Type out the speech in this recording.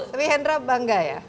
tapi hendra bangga ya